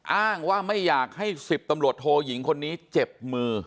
อ้างว่าไม่อยากให้๑๐ตำรวจโทยิงคนนี้เจ็บมือ